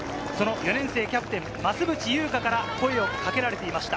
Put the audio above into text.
４年生キャプテン・増渕祐香から声をかけられていました。